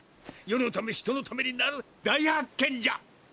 世のため人のためになる大発見じゃ！